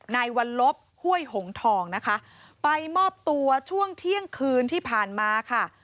ในวันลบห้วยหงทองนะคะไปมอบตัวช่วงเที่ยงคืนที่ผ่านมาค่ะ